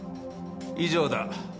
以上だ。